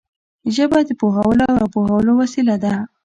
ژبه د پوهولو او را پوهولو وسیله ده